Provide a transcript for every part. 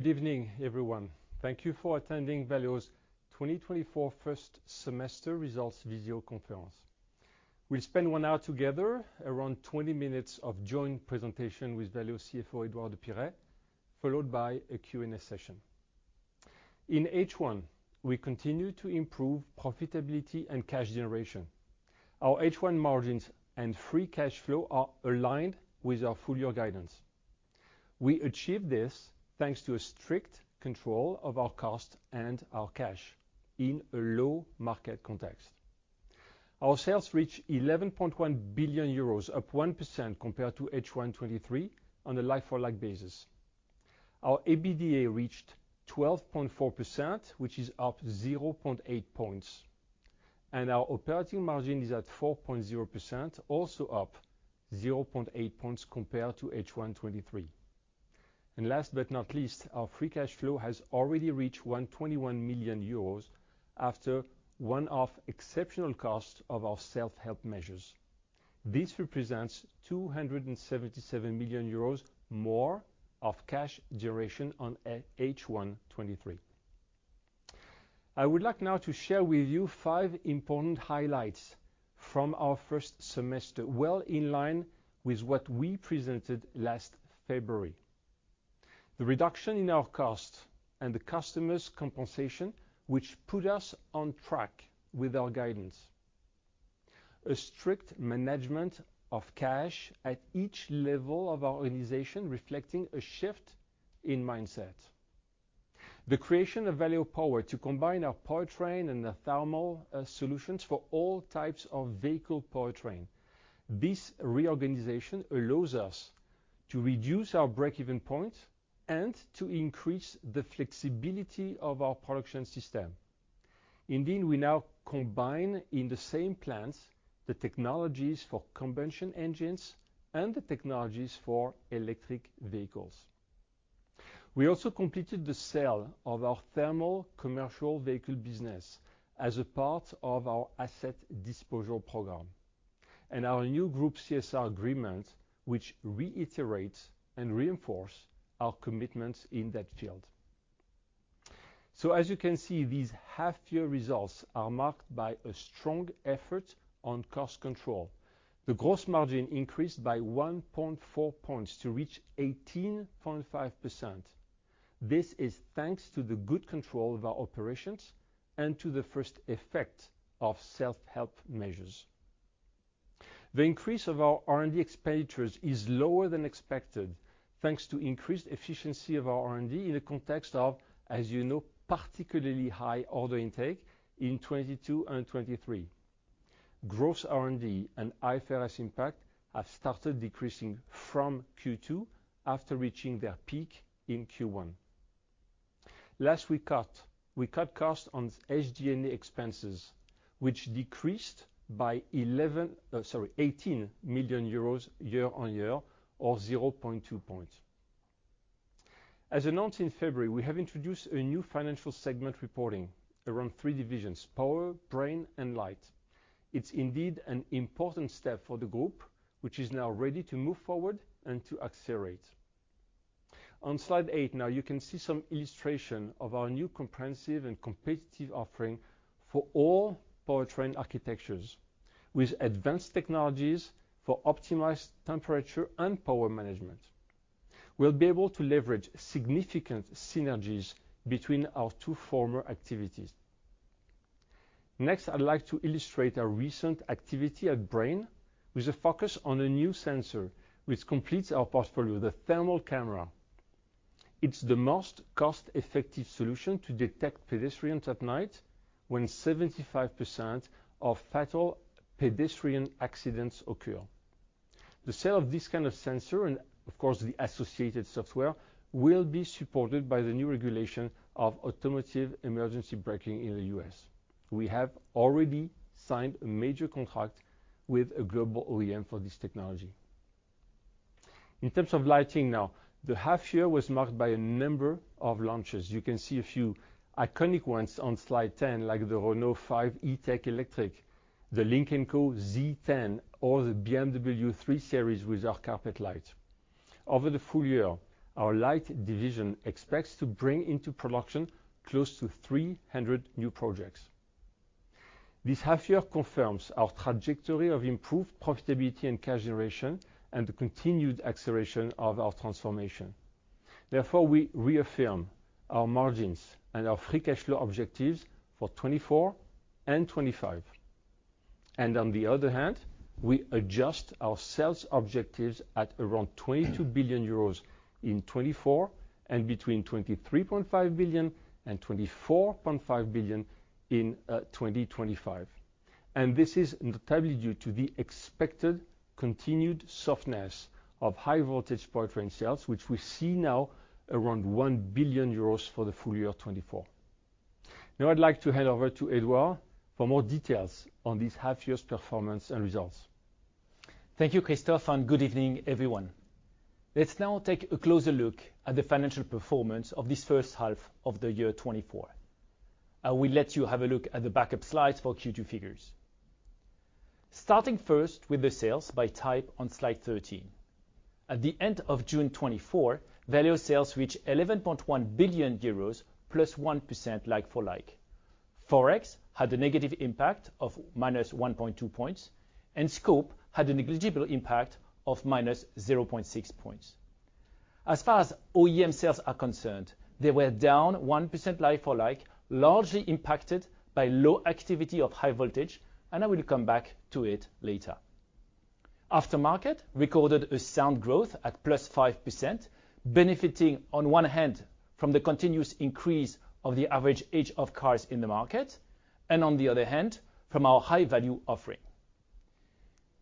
Good evening, everyone. Thank you for attending Valeo's 2024 First Semester Results Video Conference. We'll spend one hour together, around 20 minutes of joint presentation with Valeo CFO Édouard de Pirey, followed by a Q&A session. In H1, we continue to improve profitability and cash generation. Our H1 margins and free cash flow are aligned with our full-year guidance. We achieve this thanks to a strict control of our cost and our cash in a low-market context. Our sales reached 11.1 billion euros, up 1% compared to H1 2023 on a like-for-like basis. Our EBITDA reached 12.4%, which is up 0.8 points, and our operating margin is at 4.0%, also up 0.8 points compared to H1 2023. And last but not least, our free cash flow has already reached 121 million euros after one-off exceptional cost of our self-help measures. This represents 277 million euros more of cash generation on H1 2023. I would like now to share with you five important highlights from our first semester, well in line with what we presented last February. The reduction in our cost and the customers' compensation, which put us on track with our guidance. A strict management of cash at each level of our organization, reflecting a shift in mindset. The creation of Valeo Power to combine our powertrain and our thermal solutions for all types of vehicle powertrain. This reorganization allows us to reduce our break-even point and to increase the flexibility of our production system. Indeed, we now combine in the same plants the technologies for combustion engines and the technologies for electric vehicles. We also completed the sale of our thermal commercial vehicle business as a part of our asset disposal program and our new group CSR agreement, which reiterates and reinforces our commitments in that field. So, as you can see, these half-year results are marked by a strong effort on cost control. The gross margin increased by 1.4 points to reach 18.5%. This is thanks to the good control of our operations and to the first effect of self-help measures. The increase of our R&D expenditures is lower than expected, thanks to increased efficiency of our R&D in the context of, as you know, particularly high order intake in 2022 and 2023. Gross R&D and hiring variance impact have started decreasing from Q2 after reaching their peak in Q1. Last, we cut costs on SG&A expenses, which decreased by 18 million euros year-on-year, or 0.2 points. As announced in February, we have introduced a new financial segment reporting around three divisions: Power, Brain, and Light. It's indeed an important step for the group, which is now ready to move forward and to accelerate. On slide 8, now you can see some illustration of our new comprehensive and competitive offering for all powertrain architectures with advanced technologies for optimized temperature and power management. We'll be able to leverage significant synergies between our two former activities. Next, I'd like to illustrate our recent activity at Brain with a focus on a new sensor which completes our portfolio, the thermal camera. It's the most cost-effective solution to detect pedestrians at night when 75% of fatal pedestrian accidents occur. The sale of this kind of sensor and, of course, the associated software will be supported by the new regulation of automotive emergency braking in the U.S. We have already signed a major contract with a global OEM for this technology. In terms of lighting now, the half-year was marked by a number of launches. You can see a few iconic ones on slide 10, like the Renault 5 E-Tech Electric, the Lynk & Co Z10, or the BMW 3 Series with our Carpet Light. Over the full year, our Light division expects to bring into production close to 300 new projects. This half-year confirms our trajectory of improved profitability and cash generation and the continued acceleration of our transformation. Therefore, we reaffirm our margins and our free cash flow objectives for 2024 and 2025. On the other hand, we adjust our sales objectives at around 22 billion euros in 2024 and between 23.5 billion-24.5 billion in 2025. This is notably due to the expected continued softness of high-voltage powertrain sales, which we see now around 1 billion euros for the full year 2024. Now, I'd like to hand over to Édouard for more details on this half-year's performance and results. Thank you, Christophe, and good evening, everyone. Let's now take a closer look at the financial performance of this H1 of the year 2024. I will let you have a look at the backup slides for Q2 figures. Starting first with the sales by type on slide 13. At the end of June 2024, Valeo sales reached EUR 11.1 billion, +1% like-for-like. Forex had a negative impact of -1.2 points, and scope had a negligible impact of -0.6 points. As far as OEM sales are concerned, they were down 1% like-for-like, largely impacted by low activity of high voltage, and I will come back to it later. Aftermarket recorded a sound growth at +5%, benefiting on one hand from the continuous increase of the average age of cars in the market, and on the other hand from our high-value offering.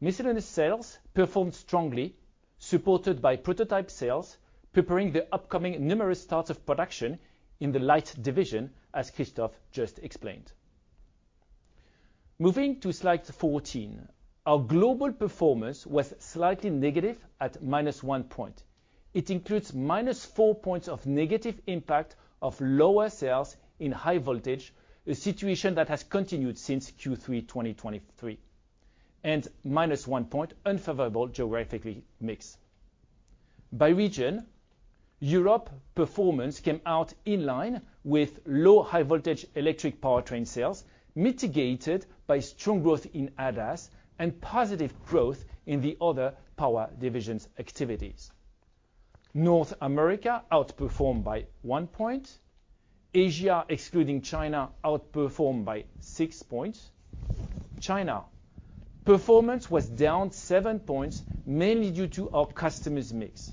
Miscellaneous sales performed strongly, supported by prototype sales preparing the upcoming numerous starts of production in the light division, as Christophe just explained. Moving to slide 14, our global performance was slightly negative at -1 point. It includes -4 points of negative impact of lower sales in high voltage, a situation that has continued since Q3 2023, and -1 point unfavorable geographically mix. By region, Europe performance came out in line with low high-voltage electric powertrain sales, mitigated by strong growth in ADAS and positive growth in the other power divisions' activities. North America outperformed by 1 point. Asia, excluding China, outperformed by 6 points. China performance was down 7 points, mainly due to our customers' mix.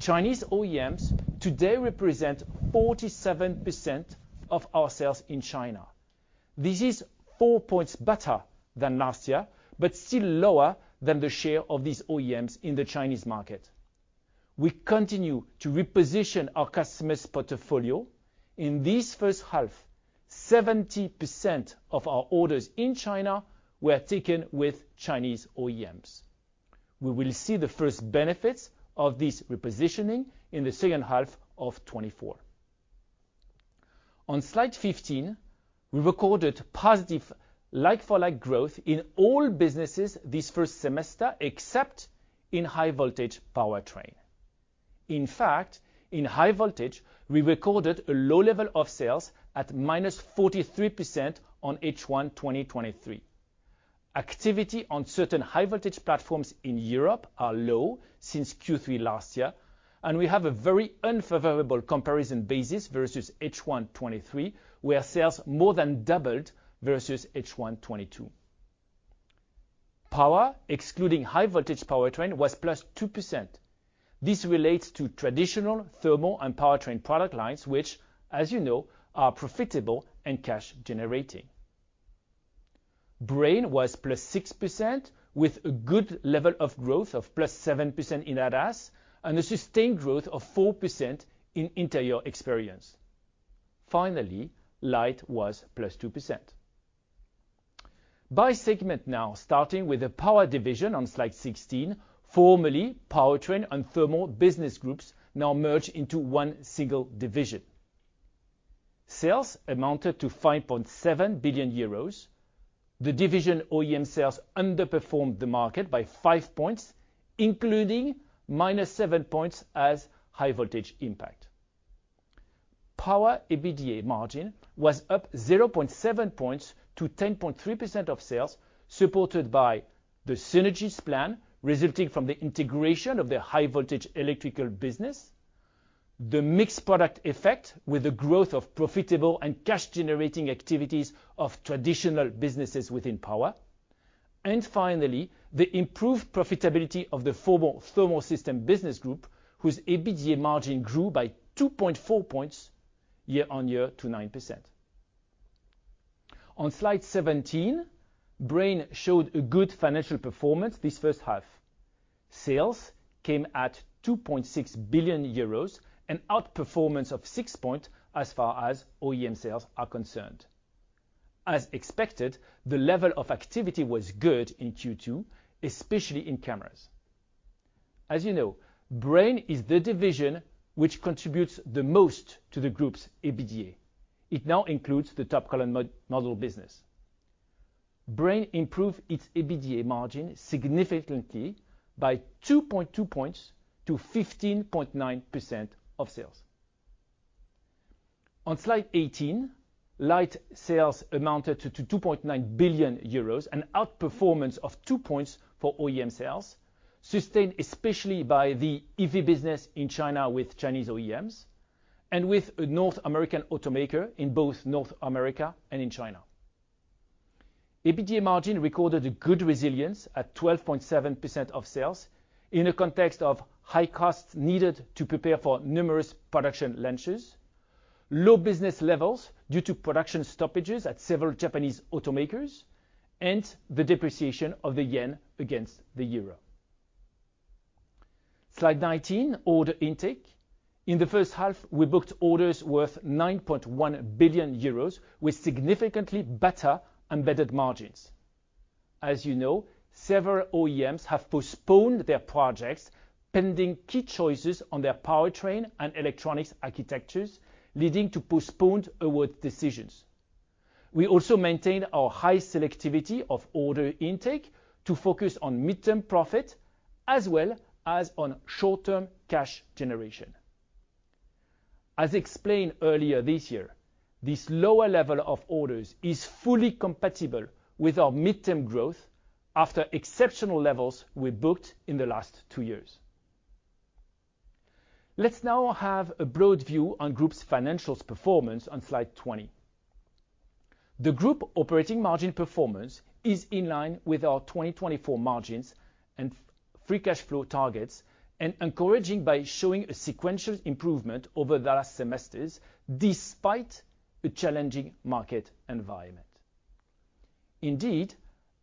Chinese OEMs today represent 47% of our sales in China. This is 4 points better than last year, but still lower than the share of these OEMs in the Chinese market. We continue to reposition our customers' portfolio. In this H1, 70% of our orders in China were taken with Chinese OEMs. We will see the first benefits of this repositioning in the H2 of 2024. On slide 15, we recorded positive like-for-like growth in all businesses this first semester except in high-voltage powertrain. In fact, in high voltage, we recorded a low level of sales at -43% on H1 2023. Activity on certain high-voltage platforms in Europe is low since Q3 last year, and we have a very unfavorable comparison basis versus H1 2023, where sales more than doubled versus H1 2022. Power, excluding high-voltage powertrain, was +2%. This relates to traditional thermal and powertrain product lines, which, as you know, are profitable and cash-generating. Brain was +6%, with a good level of growth of +7% in ADAS and a sustained growth of 4% in interior experience. Finally, Light was +2%. By segment now, starting with the Power division on slide 16, formerly powertrain and thermal business groups now merged into one single division. Sales amounted to 5.7 billion euros. The division OEM sales underperformed the market by 5 points, including -7 points as high-voltage impact. Power EBITDA margin was up 0.7 points to 10.3% of sales, supported by the synergies plan resulting from the integration of the high-voltage electrical business, the mix product effect with the growth of profitable and cash-generating activities of traditional businesses within power, and finally, the improved profitability of the thermal system business group, whose EBITDA margin grew by 2.4 points year-on-year to 9%. On slide 17, Brain showed a good financial performance this H1. Sales came at 2.6 billion euros, an outperformance of 6 points as far as OEM sales are concerned. As expected, the level of activity was good in Q2, especially in cameras. As you know, Brain is the division which contributes the most to the group's EBITDA. It now includes the Top Column Module business. Brain improved its EBITDA margin significantly by 2.2 points to 15.9% of sales. On slide 18, Light sales amounted to 2.9 billion euros, an outperformance of 2 points for OEM sales, sustained especially by the EV business in China with Chinese OEMs and with a North American automaker in both North America and in China. EBITDA margin recorded a good resilience at 12.7% of sales in the context of high costs needed to prepare for numerous production launches, low business levels due to production stoppages at several Japanese automakers, and the depreciation of the yen against the euro. Slide 19, order intake. In the H1, we booked orders worth 9.1 billion euros, with significantly better embedded margins. As you know, several OEMs have postponed their projects, pending key choices on their powertrain and electronics architectures, leading to postponed award decisions. We also maintained our high selectivity of order intake to focus on midterm profit as well as on short-term cash generation. As explained earlier this year, this lower level of orders is fully compatible with our midterm growth after exceptional levels we booked in the last two years. Let's now have a broad view on group's financials performance on slide 20. The group operating margin performance is in line with our 2024 margins and free cash flow targets, and encouraging by showing a sequential improvement over the last semesters despite a challenging market environment. Indeed,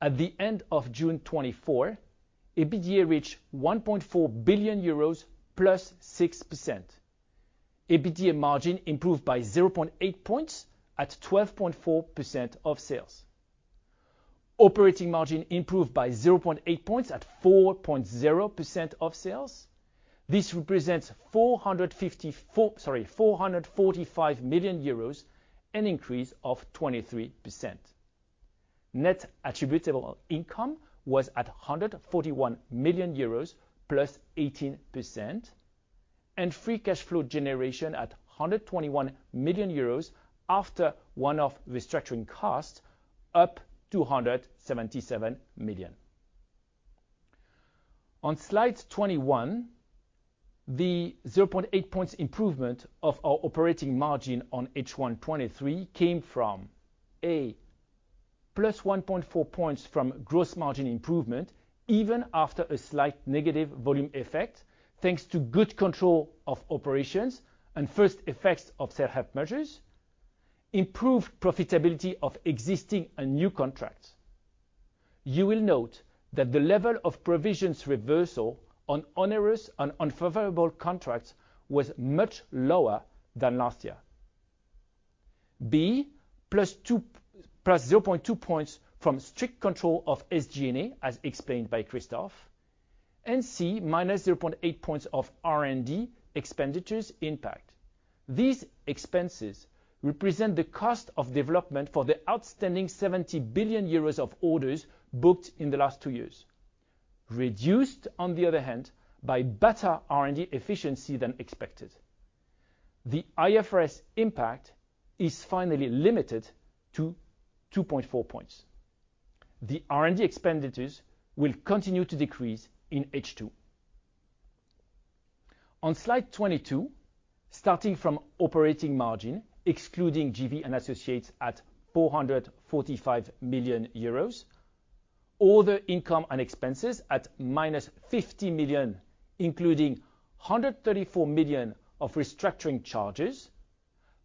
at the end of June 2024, EBITDA reached EUR 1.4 billion, +6%. EBITDA margin improved by 0.8 points at 12.4% of sales. Operating margin improved by 0.8 points at 4.0% of sales. This represents 445 million euros, an increase of 23%. Net attributable income was at 141 million euros, +18%, and free cash flow generation at 121 million euros after one-off restructuring costs, up to 277 million. On slide 21, the 0.8 points improvement of our operating margin on H1 2023 came from a +1.4 points from gross margin improvement, even after a slight negative volume effect, thanks to good control of operations and first effects of self-help measures, improved profitability of existing and new contracts. You will note that the level of provisions reversal on onerous and unfavorable contracts was much lower than last year. B, +0.2 points from strict control of SG&A, as explained by Christophe, and C, -0.8 points of R&D expenditures impact. These expenses represent the cost of development for the outstanding 70 billion euros of orders booked in the last two years, reduced, on the other hand, by better R&D efficiency than expected. The IFRS impact is finally limited to 2.4 points. The R&D expenditures will continue to decrease in H2. On slide 22, starting from operating margin, excluding JV and associates at 445 million euros, all the income and expenses at -50 million, including 134 million of restructuring charges,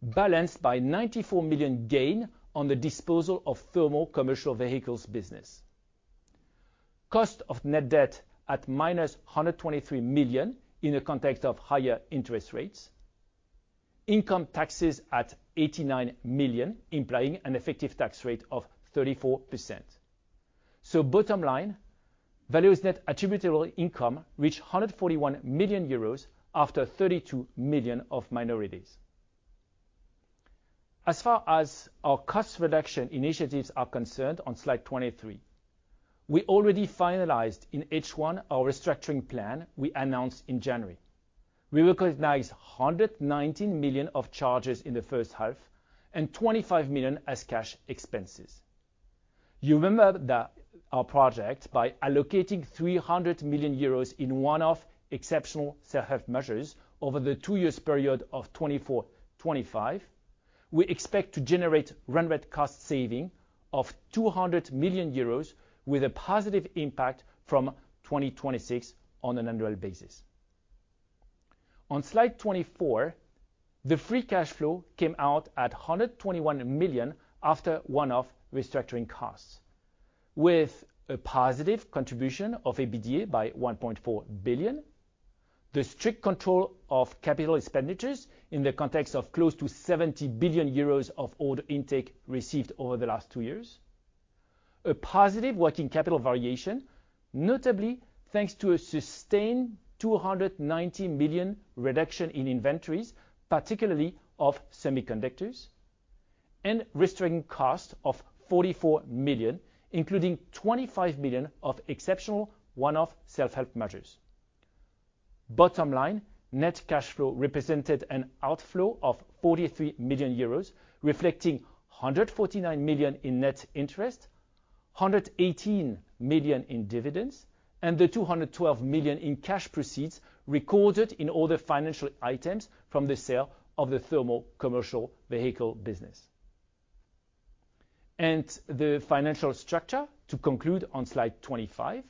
balanced by 94 million gain on the disposal of thermal commercial vehicles business. Cost of net debt at -123 million in the context of higher interest rates. Income taxes at 89 million, implying an effective tax rate of 34%. So, bottom line, Valeo's net attributable income reached 141 million euros after 32 million of minorities. As far as our cost reduction initiatives are concerned on slide 23, we already finalized in H1 our restructuring plan we announced in January. We recognized 119 million of charges in the H1 and 25 million as cash expenses. You remember that our project, by allocating 300 million euros in one-off exceptional self-help measures over the two-year period of 2024-2025, we expect to generate run rate cost saving of 200 million euros, with a positive impact from 2026 on an annual basis. On slide 24, the free cash flow came out at 121 million after one-off restructuring costs, with a positive contribution of EBITDA by 1.4 billion, the strict control of capital expenditures in the context of close to 70 billion euros of order intake received over the last two years, a positive working capital variation, notably thanks to a sustained 290 million reduction in inventories, particularly of semiconductors, and restructuring cost of 44 million, including 25 million of exceptional one-off self-help measures. Bottom line, net cash flow represented an outflow of 43 million euros, reflecting 149 million in net interest, 118 million in dividends, and the 212 million in cash proceeds recorded in all the financial items from the sale of the thermal commercial vehicle business. The financial structure, to conclude on slide 25,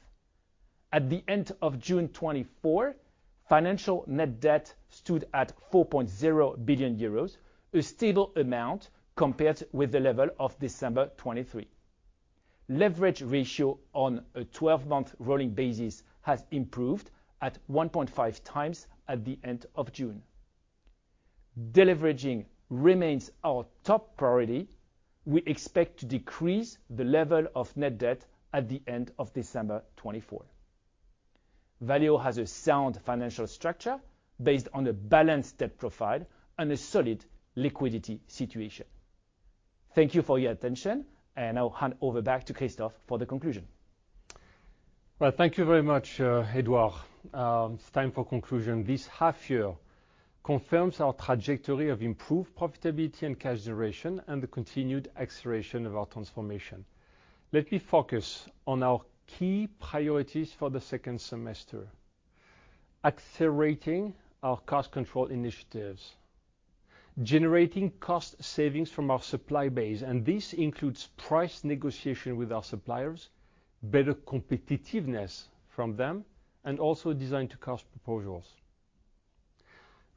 at the end of June 2024, financial net debt stood at 4.0 billion euros, a stable amount compared with the level of December 2023. Leverage ratio on a 12-month rolling basis has improved at 1.5 times at the end of June. Deleveraging remains our top priority. We expect to decrease the level of net debt at the end of December 2024. Valeo has a sound financial structure based on a balanced debt profile and a solid liquidity situation. Thank you for your attention, and I'll hand over back to Christophe for the conclusion. Well, thank you very much, Édouard. It's time for conclusion. This half year confirms our trajectory of improved profitability and cash generation and the continued acceleration of our transformation. Let me focus on our key priorities for the second semester: accelerating our cost control initiatives, generating cost savings from our supply base, and this includes price negotiation with our suppliers, better competitiveness from them, and also design to cost proposals,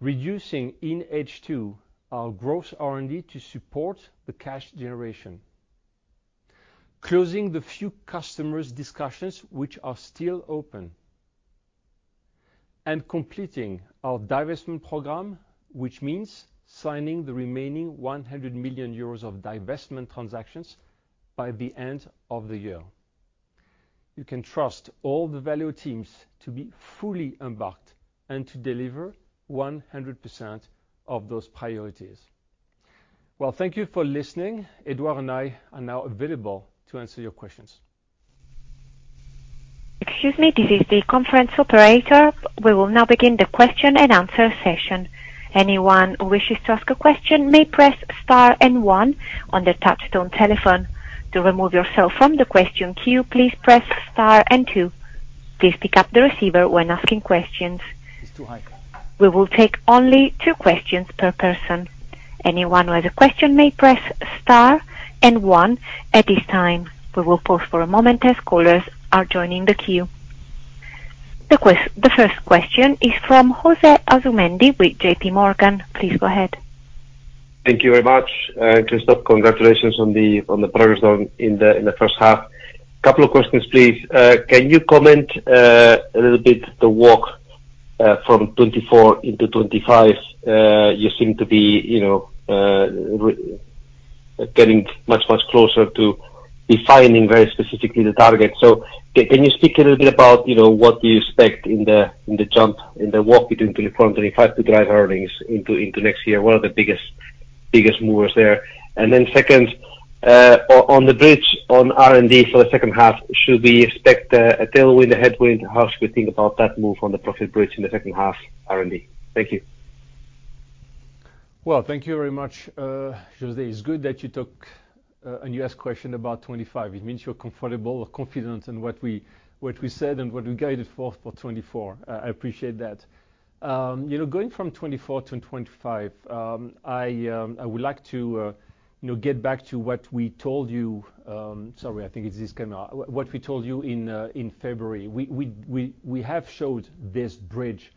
reducing in H2 our gross R&D to support the cash generation, closing the few customers' discussions which are still open, and completing our divestment program, which means signing the remaining 100 million euros of divestment transactions by the end of the year. You can trust all the Valeo teams to be fully embarked and to deliver 100% of those priorities. Well, thank you for listening. Édouard and I are now available to answer your questions. Excuse me, this is the conference operator. We will now begin the question and answer session. Anyone who wishes to ask a question may press star and one on the touch-tone telephone. To remove yourself from the question queue, please press star and two. Please pick up the receiver when asking questions. We will take only two questions per person. Anyone who has a question may press star and one at this time. We will pause for a moment as callers are joining the queue. The first question is from José Asumendi with J.P. Morgan. Please go ahead. Thank you very much, Christophe. Congratulations on the progress done in the H1. A couple of questions, please. Can you comment a little bit the walk from 2024 into 2025? You seem to be getting much, much closer to defining very specifically the target. So can you speak a little bit about what do you expect in the jump, in the walk between 2024 and 2025 to drive earnings into next year? What are the biggest movers there? And then second, on the bridge on R&D for the H2, should we expect a tailwind, a headwind? How should we think about that move on the profit bridge in the H2 R&D? Thank you. Well, thank you very much, José. It's good that you took and you asked question about 2025. It means you're comfortable or confident in what we said and what we guided for for 2024. I appreciate that. Going from 2024 to 2025, I would like to get back to what we told you. Sorry, I think it's this camera. What we told you in February. We have showed this bridge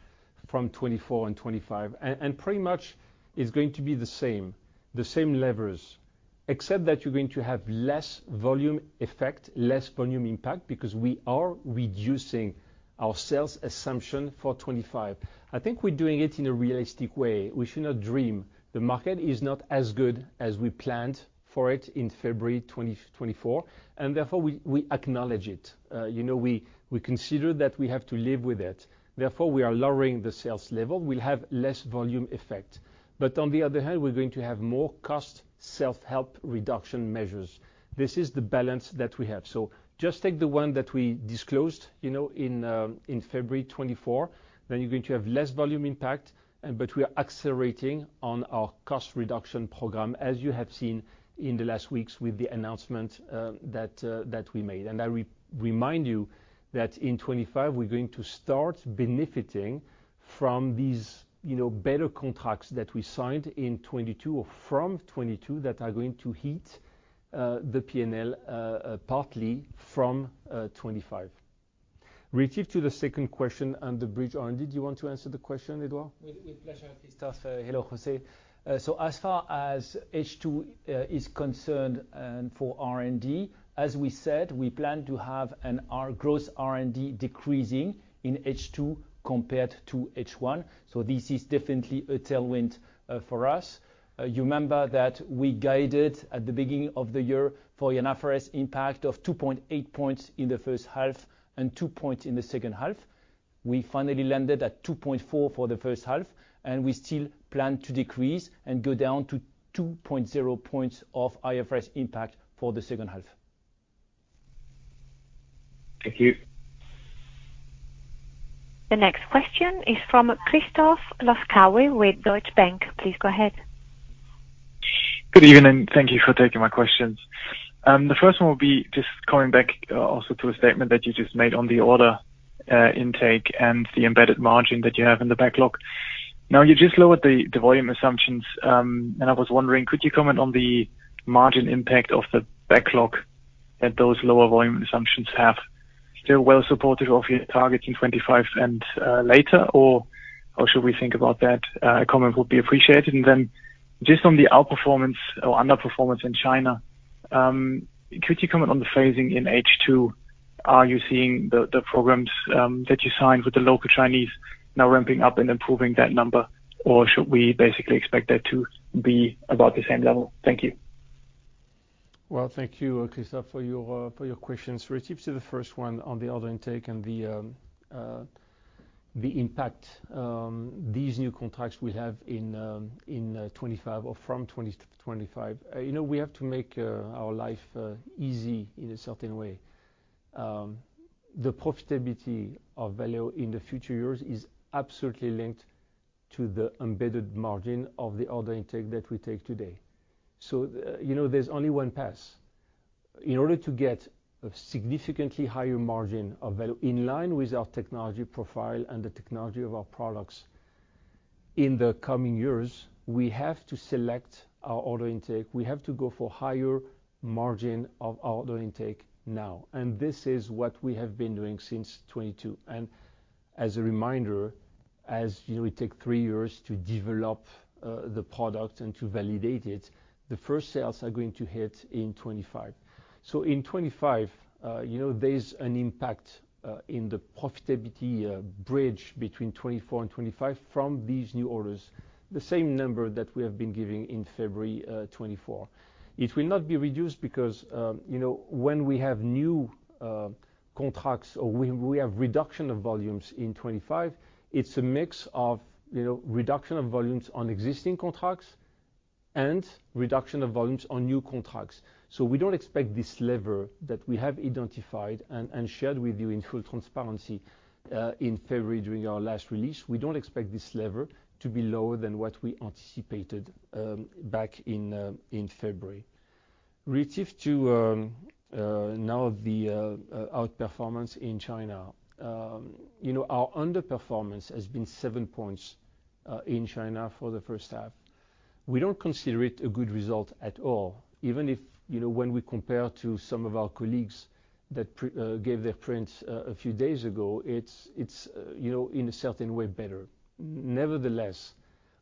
from 2024 and 2025, and pretty much it's going to be the same, the same levers, except that you're going to have less volume effect, less volume impact, because we are reducing our sales assumption for 2025. I think we're doing it in a realistic way. We should not dream. The market is not as good as we planned for it in February 2024, and therefore we acknowledge it. We consider that we have to live with it. Therefore, we are lowering the sales level. We'll have less volume effect. But on the other hand, we're going to have more cost self-help reduction measures. This is the balance that we have. So just take the one that we disclosed in February 2024. Then you're going to have less volume impact, but we are accelerating on our cost reduction program, as you have seen in the last weeks with the announcement that we made. And I remind you that in 2025, we're going to start benefiting from these better contracts that we signed in 2022 or from 2022 that are going to heat the P&L partly from 2025. Relative to the second question on the bridge R&D, do you want to answer the question, Édouard? With pleasure, Christophe. Hello, José. So as far as H2 is concerned for R&D, as we said, we plan to have our gross R&D decreasing in H2 compared to H1. So this is definitely a tailwind for us. You remember that we guided at the beginning of the year for IFRS impact of 2.8 points in the H1 and 2 points in the H2. We finally landed at 2.4 for the H1, and we still plan to decrease and go down to 2.0 points of IFRS impact for the H2. Thank you. The next question is from Christoph Laskawi with Deutsche Bank. Please go ahead. Good evening, and thank you for taking my questions. The first one will be just coming back also to a statement that you just made on the order intake and the embedded margin that you have in the backlog. Now, you just lowered the volume assumptions, and I was wondering, could you comment on the margin impact of the backlog that those lower volume assumptions have? Still well supported of your targets in 2025 and later, or how should we think about that? A comment would be appreciated. And then just on the outperformance or underperformance in China, could you comment on the phasing in H2? Are you seeing the programs that you signed with the local Chinese now ramping up and improving that number, or should we basically expect that to be about the same level? Thank you. Well, thank you, Christophe, for your questions. Relative to the first one on the order intake and the impact, these new contracts we have in 2025 or from 2025, we have to make our life easy in a certain way. The profitability of Valeo in the future years is absolutely linked to the embedded margin of the order intake that we take today. So there's only one pass. In order to get a significantly higher margin of Valeo in line with our technology profile and the technology of our products in the coming years, we have to select our order intake. We have to go for higher margin of order intake now. And this is what we have been doing since 2022. And as a reminder, as we take 3 years to develop the product and to validate it, the first sales are going to hit in 2025. So in 2025, there's an impact in the profitability bridge between 2024 and 2025 from these new orders, the same number that we have been giving in February 2024. It will not be reduced because when we have new contracts or when we have reduction of volumes in 2025, it's a mix of reduction of volumes on existing contracts and reduction of volumes on new contracts. So we don't expect this lever that we have identified and shared with you in full transparency in February during our last release. We don't expect this lever to be lower than what we anticipated back in February. Relative to now the outperformance in China, our underperformance has been 7 points in China for the H1. We don't consider it a good result at all. Even when we compare to some of our colleagues that gave their prints a few days ago, it's in a certain way better. Nevertheless,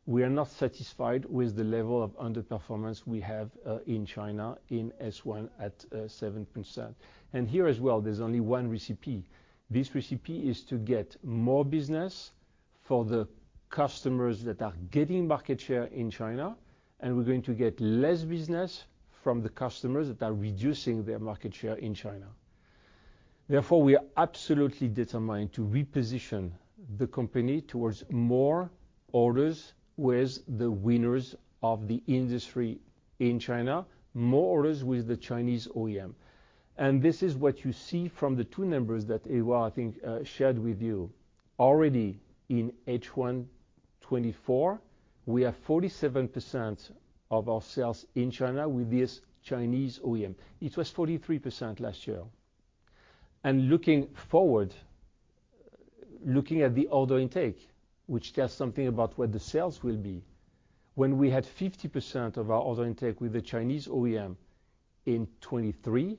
we are not satisfied with the level of underperformance we have in China in S1 at 7%. And here as well, there's only one recipe. This recipe is to get more business for the customers that are getting market share in China, and we're going to get less business from the customers that are reducing their market share in China. Therefore, we are absolutely determined to reposition the company towards more orders with the winners of the industry in China, more orders with the Chinese OEM. And this is what you see from the two numbers that Édouard, I think, shared with you. Already in H1 2024, we have 47% of our sales in China with this Chinese OEM. It was 43% last year. Looking forward, looking at the order intake, which tells something about what the sales will be, when we had 50% of our order intake with the Chinese OEM in 2023,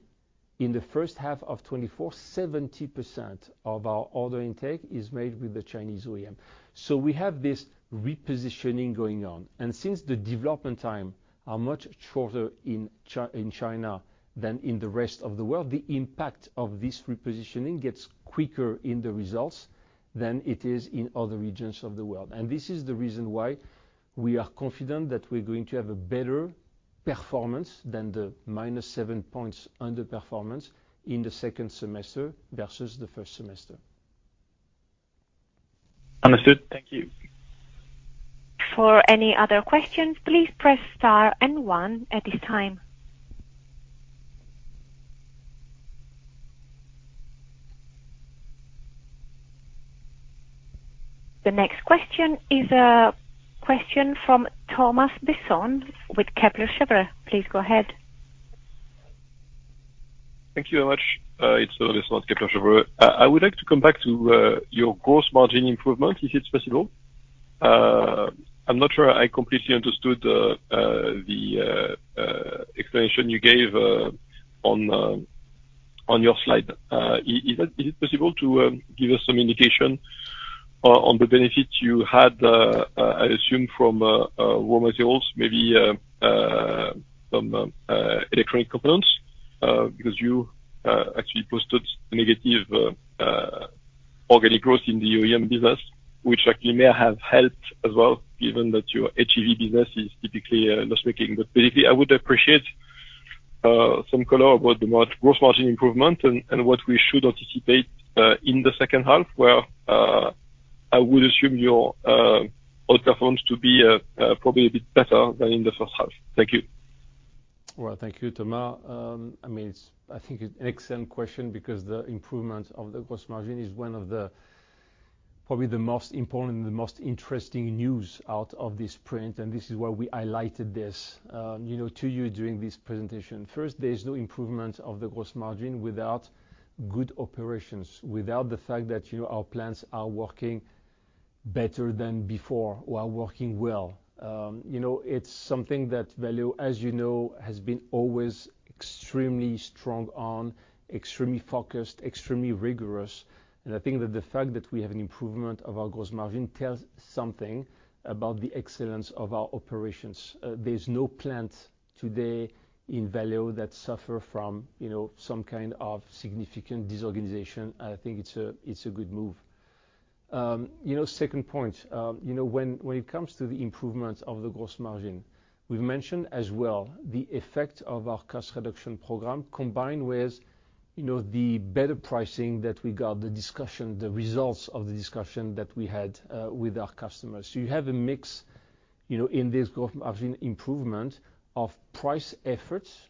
in the H1 of 2024, 70% of our order intake is made with the Chinese OEM. So we have this repositioning going on. And since the development times are much shorter in China than in the rest of the world, the impact of this repositioning gets quicker in the results than it is in other regions of the world. And this is the reason why we are confident that we're going to have a better performance than the -7 points underperformance in the second semester versus the first semester. Understood. Thank you. For any other questions, please press star and one at this time. The next question is a question from Thomas Besson with Kepler Cheuvreux. Please go ahead. Thank you very much. It's Thomas Besson, Kepler Cheuvreux. I would like to come back to your gross margin improvement, if it's possible. I'm not sure I completely understood the explanation you gave on your slide. Is it possible to give us some indication on the benefits you had, I assume, from raw materials, maybe some electronic components? Because you actually posted negative organic growth in the OEM business, which actually may have helped as well, given that your HEV business is typically loss-making. But basically, I would appreciate some color about the gross margin improvement and what we should anticipate in the H2, where I would assume your outperformance to be probably a bit better than in the H1. Thank you. Well, thank you, Thomas. I mean, I think it's an excellent question because the improvement of the gross margin is one of probably the most important and the most interesting news out of this print, and this is why we highlighted this to you during this presentation. First, there's no improvement of the gross margin without good operations, without the fact that our plants are working better than before or are working well. It's something that Valeo, as you know, has been always extremely strong on, extremely focused, extremely rigorous. And I think that the fact that we have an improvement of our gross margin tells something about the excellence of our operations. There's no plant today in Valeo that suffers from some kind of significant disorganization. I think it's a good move. Second point, when it comes to the improvement of the gross margin, we've mentioned as well the effect of our cost reduction program combined with the better pricing that we got, the discussion, the results of the discussion that we had with our customers. So you have a mix in this gross margin improvement of price efforts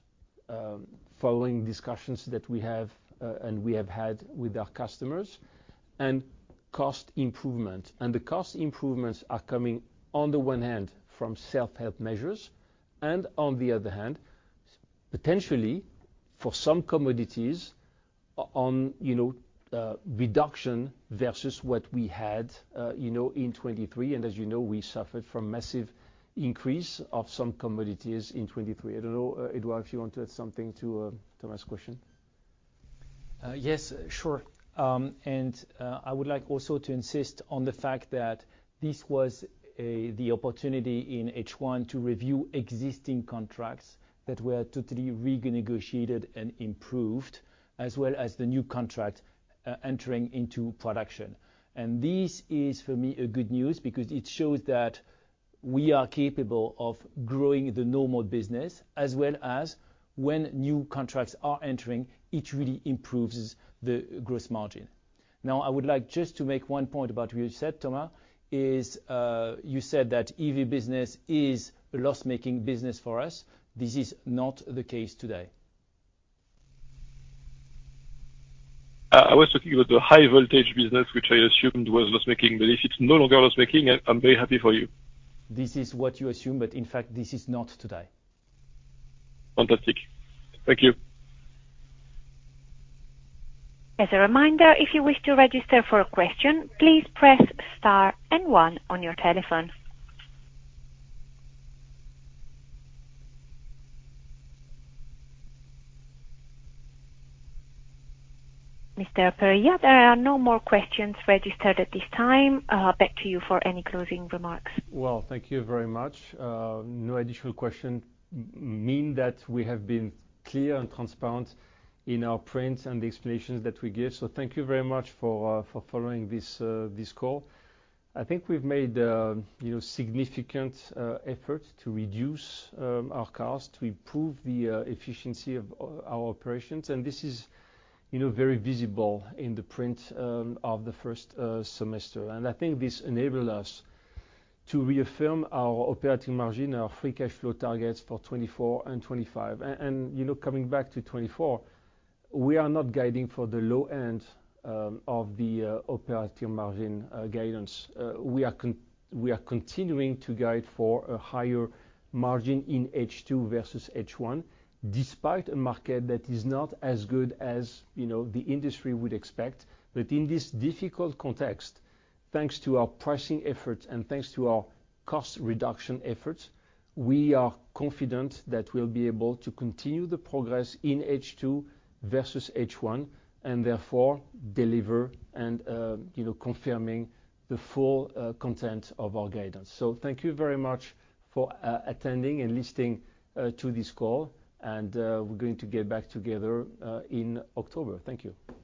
following discussions that we have and we have had with our customers and cost improvement. And the cost improvements are coming on the one hand from self-help measures and on the other hand, potentially for some commodities on reduction versus what we had in 2023. And as you know, we suffered from massive increase of some commodities in 2023. I don't know, Édouard, if you want to add something to Thomas' question. Yes, sure. I would like also to insist on the fact that this was the opportunity in H1 to review existing contracts that were totally renegotiated and improved, as well as the new contract entering into production. This is, for me, good news because it shows that we are capable of growing the normal business, as well as when new contracts are entering, it really improves the gross margin. Now, I would like just to make one point about what you said, Thomas, is you said that EV business is a loss-making business for us. This is not the case today. I was talking about the high-voltage business, which I assumed was loss-making, but if it's no longer loss-making, I'm very happy for you. This is what you assume, but in fact, this is not today. Fantastic. Thank you. As a reminder, if you wish to register for a question, please press star and one on your telephone. Mr. Périllat, there are no more questions registered at this time. Back to you for any closing remarks. Well, thank you very much. No additional questions. That means we have been clear and transparent in our presentation and the explanations that we give. So thank you very much for following this call. I think we've made significant efforts to reduce our costs, to improve the efficiency of our operations. And this is very visible in the presentation of the first semester. And I think this enabled us to reaffirm our operating margin and our free cash flow targets for 2024 and 2025. Coming back to 2024, we are not guiding for the low end of the operating margin guidance. We are continuing to guide for a higher margin in H2 versus H1, despite a market that is not as good as the industry would expect. But in this difficult context, thanks to our pricing efforts and thanks to our cost reduction efforts, we are confident that we'll be able to continue the progress in H2 versus H1 and therefore deliver and confirm the full content of our guidance. So thank you very much for attending and listening to this call, and we're going to get back together in October. Thank you.